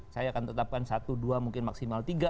saya akan tetapkan satu dua mungkin maksimal tiga